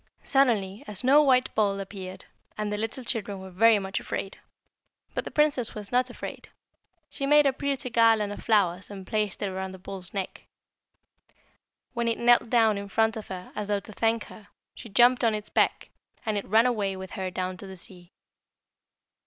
Suddenly a snow white bull appeared, and the little children were very much afraid. But the princess was not afraid. She made a pretty garland of flowers and placed it around the bull's neck. When it knelt down in front of her as though to thank her, she jumped on its back, and it ran away with her down to the sea.